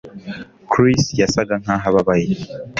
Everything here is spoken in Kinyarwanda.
Chris yasaga nkaho ababaye